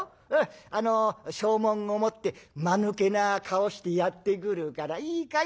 あの証文を持ってまぬけな顔してやって来るからいいかい？